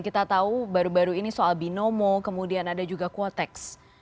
kita tahu baru baru ini soal binomo kemudian ada juga quotex